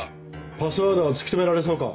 パスワードは突き止められそうか？